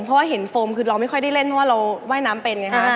เพราะว่าเห็นโฟมคือเราไม่ค่อยได้เล่นเพราะว่าเราว่ายน้ำเป็นไงฮะ